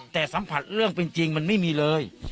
แต่สัมผัสเรื่องเป็นจริงมันไม่มีเลย